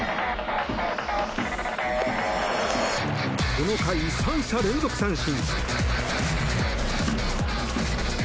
この回、３者連続三振。